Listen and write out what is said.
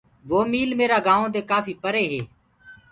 وآ ميٚل ميرآ گائونٚ دي ڪآڦي پري هي۔